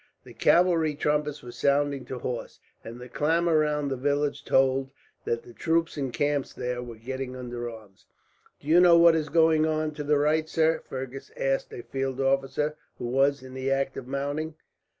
The cavalry trumpets were sounding to horse, and the clamour round the village told that the troops encamped there were getting under arms. "Do you know what is going on to the right, sir?" Fergus asked a field officer, who was in the act of mounting.